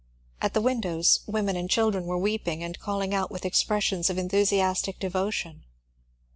At the windows women and children were weeping and calling out with expressions of enthusiastic devotion.